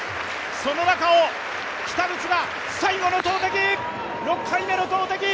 その中を北口が最後の投てき６回目の投てき